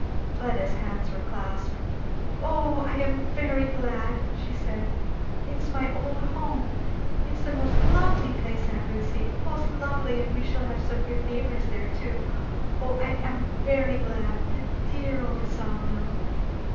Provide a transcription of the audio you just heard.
Fleda's hands were clasped. "O I am very glad!" she said. "It's my old home. It is the most lovely place, aunt Lucy! most lovely and we shall have some good neighbours there too. O I am very glad! The dear old saw mill!